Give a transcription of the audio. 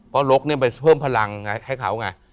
เพราะรกเนี่ยไปเพิ่มพลังให้เขาไง